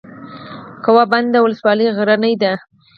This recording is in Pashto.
کوه بند ولسوالۍ غرنۍ ده؟